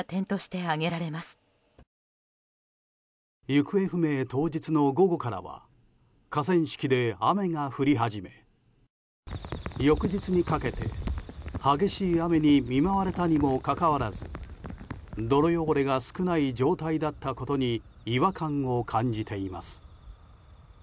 行方不明当日の午後からは河川敷で雨が降り始め翌日にかけて激しい雨に見舞われたにもかかわらず泥汚れが少ない状態だったことに違和感を感じています。